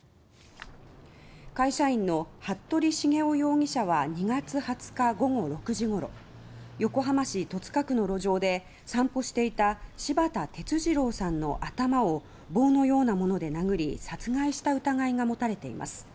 会社員の服部繁雄容疑者は２月２０日午後６時ごろ横浜市戸塚区の路上で散歩していた柴田哲二郎さんの頭を棒のようなもので殴り殺害した疑いが持たれています。